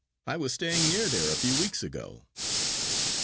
I was staying near there a few weeks ago.